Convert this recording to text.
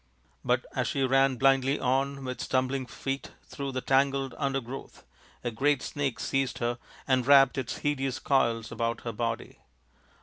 But as she ran blindly on with stumbling feet through the tangled undergrowth a great snake seized her and wrapped its hideous coils about her body.